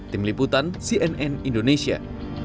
tim liputan cnn indonesia